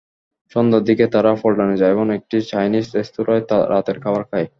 সন্ধ্যার দিকে তারা পল্টনে যায় এবং একটি চায়নিজ রেস্তোরাঁয় রাতের খাবার খায়।